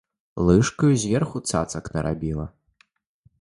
Лыжкаю зверху цацак нарабіла.